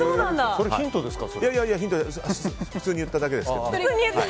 いやいや普通に言っただけです。